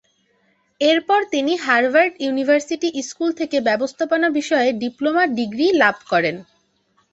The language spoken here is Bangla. এরপর তিনি হার্ভার্ড ইউনিভার্সিটি স্কুল থেকে ব্যবস্থাপনা বিষয়ে ডিপ্লোমা ডিগ্রি লাভ করেন।